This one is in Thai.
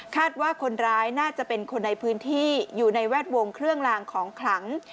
ว่าคนร้ายน่าจะเป็นคนในพื้นที่อยู่ในแวดวงเครื่องลางของขลัง